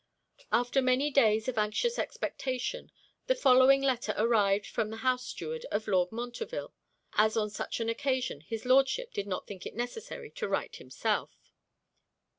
After many days of anxious expectation, the following letter arrived from the house steward of Lord Montreville; as on such an occasion his Lordship did not think it necessary to write himself.